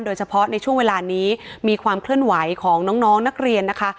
โดยเฉพาะในช่วงเวลานี้มีความเคลื่อนไหวของน้องนักเรียนนะคะ